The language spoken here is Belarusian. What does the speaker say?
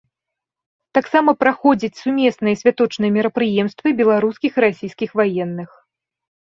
Таксама праходзяць сумесныя святочныя мерапрыемствы беларускіх і расійскіх ваенных.